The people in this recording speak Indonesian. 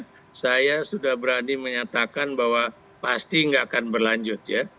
penegak hukum ya saya sudah berani menyatakan bahwa pasti nggak akan berlanjut ya